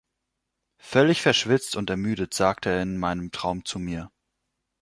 Völlig verschwitzt und ermüdet sagte er in meinem Traum zu mir.